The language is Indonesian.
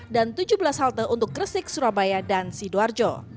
dan tujuh belas halte untuk gresik surabaya dan gresik